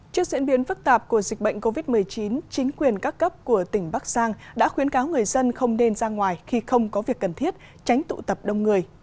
trước diễn biến phức tạp của dịch bệnh covid một mươi chín chính quyền các cấp của tỉnh bắc giang đã khuyến cáo người dân không nên ra ngoài khi không có việc cần thiết tránh tụ tập đông người